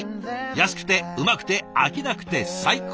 安くてうまくて飽きなくて最高！